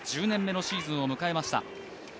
１０年目のシーズンを迎えました。